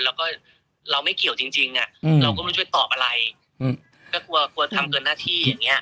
แล้วก็เราไม่เกี่ยวจริงเราก็ไม่รู้จะไปตอบอะไรก็กลัวทำเกินหน้าที่อย่างเนี้ย